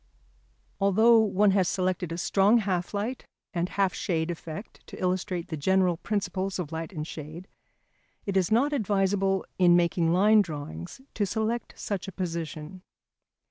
Although one has selected a strong half light and half shade effect to illustrate the general principles of light and shade, it is not advisable in making line drawings to select such a position.